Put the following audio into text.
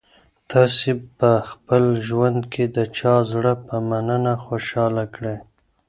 تاسي په خپل ژوند کي د چا زړه په مننه خوشاله کړی؟